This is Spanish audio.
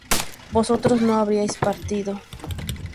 ¿vosotros no habríais partido?